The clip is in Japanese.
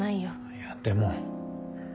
いやでも。